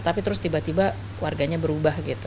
tapi terus tiba tiba warganya berubah gitu